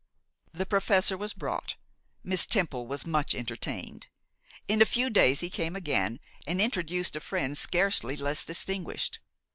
The professor was brought. Miss Temple was much entertained. In a few days he came again, and introduced a friend scarcely less distinguished.